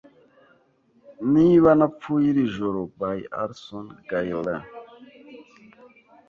Niba Napfuye Iri joro by Alison Gaylin